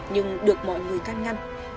nhưng được mọi người can ngăn